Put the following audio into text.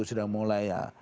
sudah mulai ya